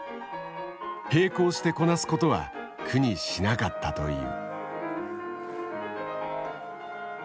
並行してこなすことは苦にしなかったという。